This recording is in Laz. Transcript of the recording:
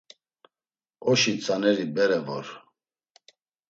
Oşi tzaneri bere vor.